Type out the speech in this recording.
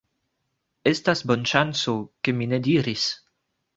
Estas bonŝanco, ke mi ne diris: